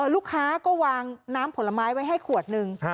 ลูกค้าก็วางน้ำผลไม้ไว้ให้ขวดหนึ่ง